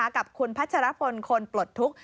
กับคุณพัชรภนคนปลดฮุก